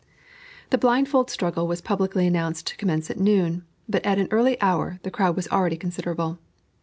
The blindfold struggle was publicly announced to commence at noon; but, at an early hour, the crowd was already considerable.